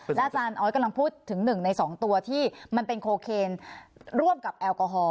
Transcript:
และอาจารย์ออสกำลังพูดถึง๑ใน๒ตัวที่มันเป็นโคเคนร่วมกับแอลกอฮอล